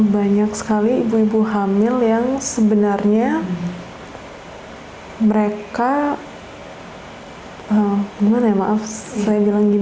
banyak sekali ibu ibu hamil yang sebegini